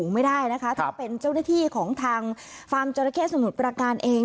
ไม่ได้นะคะถ้าเป็นเจ้าหน้าที่ของทางฟาร์มจราเข้สมุทรประการเอง